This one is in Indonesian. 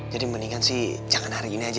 jadi mendingan sih jangan hari ini aja ya